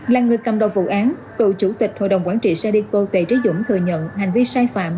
là người cầm đồng vụ án cựu chủ tịch hội đồng quản trị sadeco tây trí dũng thừa nhận hành vi sai phạm